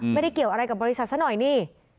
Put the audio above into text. ไม่ได้เกี่ยวอะไรกับบริษัทซะหน่อยนี่